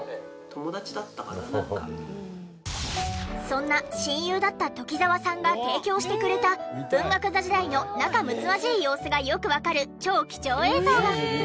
そんな親友だった鴇澤さんが提供してくれた文学座時代の仲むつまじい様子がよくわかる超貴重映像が！